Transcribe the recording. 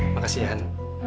makasih ya han